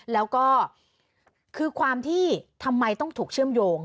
แล้วก็คือความที่ทำไมต้องถูกเชื่อมโยง